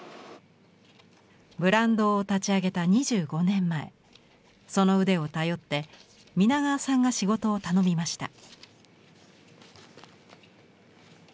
ブランドを立ち上げた２５年前その腕を頼って皆川さんが仕事を頼みました。